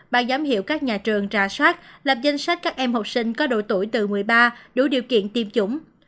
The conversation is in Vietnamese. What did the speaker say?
ba giám hiệu các nhà trường trà soát lập danh sách các em học sinh có độ tuổi từ một mươi ba đủ điều kiện tiêm chủng